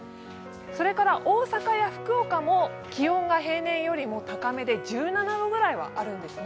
それから大阪や福岡も気温が平年よりも高めで１７度ぐらいはあるんですね。